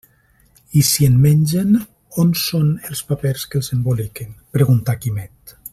I si en mengen, on són els papers que els emboliquen? —preguntà Quimet.